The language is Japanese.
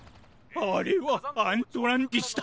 あれはアントランティスだ。